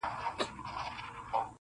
• د غم او پاتا پر کمبله کښېناوه -